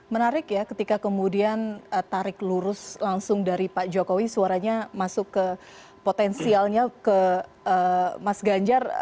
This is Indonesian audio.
menarik ya ketika kemudian tarik lurus langsung dari pak jokowi suaranya masuk ke potensialnya ke mas ganjar